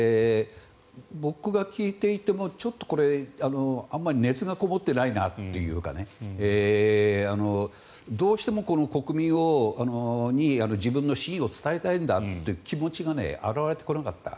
僕が聞いていてもちょっとこれ、あんまり熱がこもっていないなというかどうしても国民に自分の真意を伝えたいんだという気持ちが表れてこなかった。